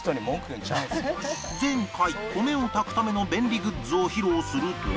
前回米を炊くための便利グッズを披露すると